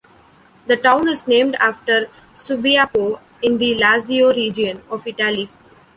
The town is named after Subiaco in the Lazio region of Italy.